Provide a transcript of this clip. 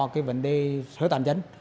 cái vấn đề sở tàn dấn